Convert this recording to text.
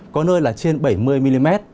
có nơi là trên bảy mươi mm